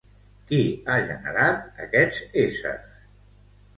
Qui ha generat aquests éssers?